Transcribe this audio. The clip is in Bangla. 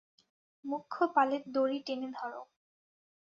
মূখ্য পালের দড়ি টেনে ধরো।